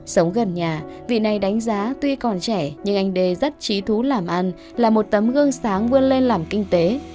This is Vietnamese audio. sống gần nhà vị này đánh giá tuy còn trẻ nhưng anh đê rất trí thú làm ăn là một tấm gương sáng vươn lên làm kinh tế